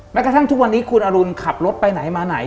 กระทั่งทุกวันนี้คุณอรุณขับรถไปไหนมาไหน